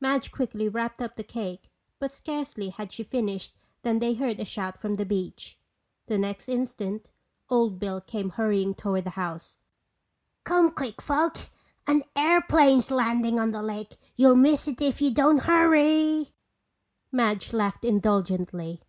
Madge quickly wrapped up the cake but scarcely had she finished than they heard a shout from the beach. The next instant Old Bill came hurrying toward the house. "Come quick, folks! An airplane's landin' on the lake. You'll miss it if you don't hurry!" Madge laughed indulgently.